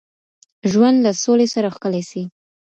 ژوند له سولي سره ښکلی سي